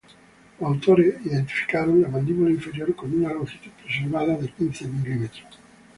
Los autores identificaron la mandíbula inferior con una longitud preservada de quince milímetros.